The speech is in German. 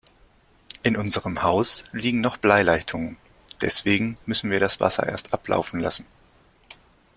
In unserem Haus liegen noch Bleileitungen, deswegen müssen wir das Wasser erst ablaufen lassen.